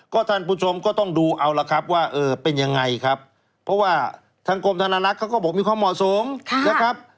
ก็ท่านผู้ชมก็ต้องดูเอาละครับว่าเออเป็นยังไงครับเพราะว่าทางกรมธนลักษณ์เขาก็บอกมีความเหมาะสมนะครับ